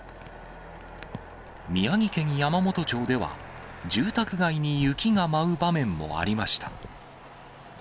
宮城県山元町では、住宅街に雪が舞う場面もありました。